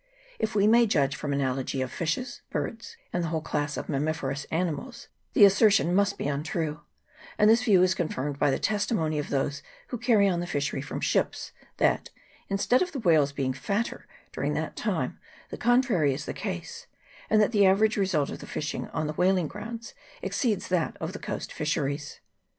If we may judge from analogy of fishes, birds, and the whole class of mammiferous animals, the assertion must be untrue ; and this view is con firmed by the testimony of those who carry on the fishery from ships, that, instead of the whales being fatter during that time, the contrary is the case, and that the average result of the fishing on the whaling grounds exceeds that of the coast fisheries.